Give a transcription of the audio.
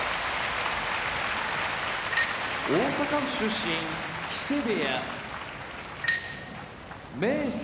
大阪府出身木瀬部屋明生